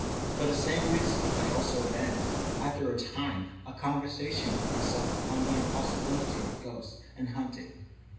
For the same reason I also abandoned, after a time, a conversation with myself upon the impossibility of ghosts and haunting.